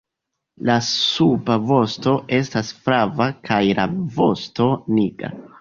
La suba vosto estas flava kaj la vosto nigra.